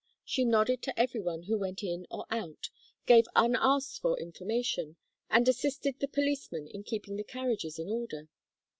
She nodded to every one who went in or out, gave unasked for information, and assisted the policeman in keeping the carriages in order.